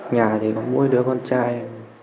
nhà thì có mỗi đứa con trai